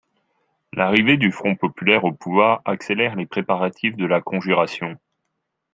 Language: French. L'arrivée du Front Populaire au pouvoir accélère les préparatifs de la conjuration.